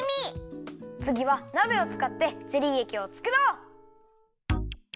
つぎはなべをつかってゼリーえきをつくろう！